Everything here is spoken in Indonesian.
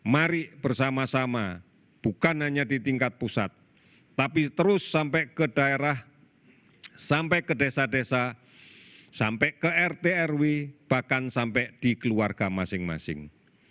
mari bersama sama bukan hanya di tingkat pusat tapi terus sampai ke daerah sampai ke desa desa sampai ke rt rw bahkan sampai di keluarga masing masing